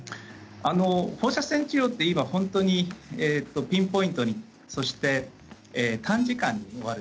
放射線治療ってピンポイントに、そして短時間で終わる。